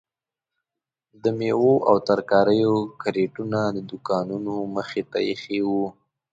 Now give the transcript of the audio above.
د میوو او ترکاریو کریټونه د دوکانو مخې ته ایښي وو.